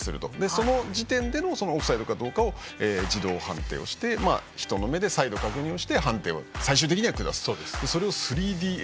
その時点でオフサイドかどうか自動判定して、人の目で再度確認して最終的に判定を下すと。